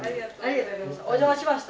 お邪魔しました。